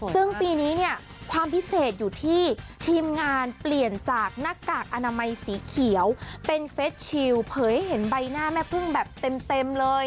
ซึ่งปีนี้เนี่ยความพิเศษอยู่ที่ทีมงานเปลี่ยนจากหน้ากากอนามัยสีเขียวเป็นเฟสชิลเผยให้เห็นใบหน้าแม่พึ่งแบบเต็มเลย